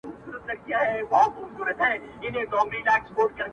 نه “نه څوك نه لـــــرمـــه گرانـــي زمـــــا”